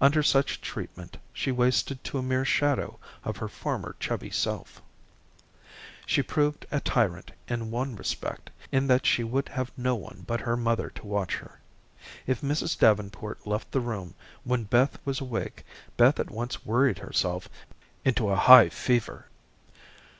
Under such treatment she wasted to a mere shadow of her former chubby self. She proved a tyrant in one respect, in that she would have no one but her mother to watch her. If Mrs. Davenport left the room when Beth was awake, Beth at once worried herself into a high fever.